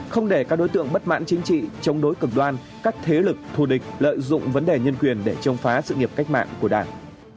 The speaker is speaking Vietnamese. không để các đối tượng bất mãn chính trị chống đối cực đoan các thế lực thù địch lợi dụng vấn đề nhân quyền để chống phá sự nghiệp cách mạng của đảng